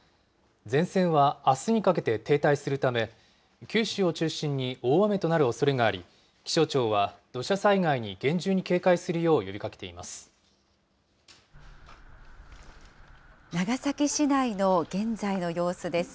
前線はあすにかけて停滞するため、九州を中心に大雨となるおそれがあり、気象庁は土砂災害に厳重に警戒するよう呼びかけています。